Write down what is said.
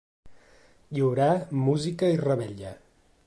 Hi haurà música i revetlla.